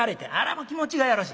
もう気持ちがよろし。